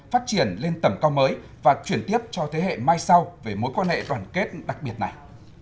phát triển lên tầm cao mới và chuyển tiếp cho thế hệ mai sau về mối quan hệ đoàn kết đặc biệt này